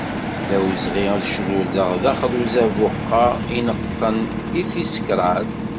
D awezɣi ad crurdeɣ daxel n uzabuq-a ineqqen i tis kraḍ.